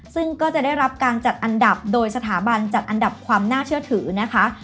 ซึ่งก็จะได้รับการจัดอันดับโดยสถาบันจัดอันดับความน่าเชื่อถือนะคะ